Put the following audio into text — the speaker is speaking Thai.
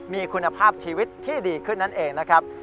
มีคุณภาพชีวิตที่ดีขึ้นนั่นเองนะครับ